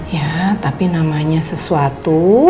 ya tapi namanya sesuatu